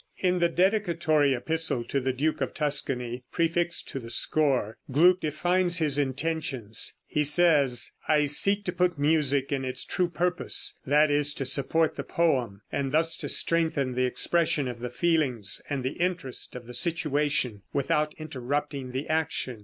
In the dedicatory epistle to the duke of Tuscany, prefixed to the score, Gluck defines his intentions. He says: "I seek to put music to its true purpose; that is, to support the poem, and thus to strengthen the expression of the feelings and the interest of the situation, without interrupting the action.